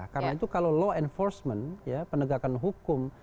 karena itu kalau law enforcement ya penegakan hukum